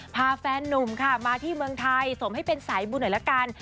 พาแฟนนุ่มค่ะมาที่เมืองไทยสมให้เป็นสายบุญหน่อยละกัน